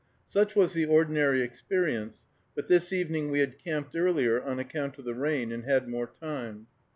Such was the ordinary experience, but this evening we had camped earlier on account of the rain, and had more time.